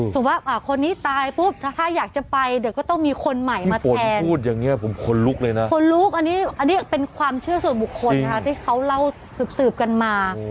ถูกว่าคนที่ตายปุ๊บถ้าอยากจะไปเดี๋ยวก็ต้องมีคนใหม่มาแทนคนลุกอันนี้เป็นความเชื่อส่วนบุคคลที่เขาเล่าสืบกันมา